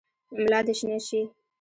ملا دي شنه شه !